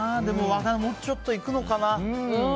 でももうちょっといくのかな。